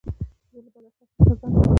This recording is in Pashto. زه له بداخلاقۍ څخه ځان ساتم.